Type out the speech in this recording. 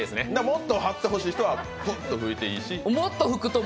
もっと張ってほしい人は吹いていいしと。